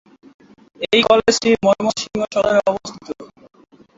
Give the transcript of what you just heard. এই কলেজটি ময়মনসিংহ সদরে অবস্থিত।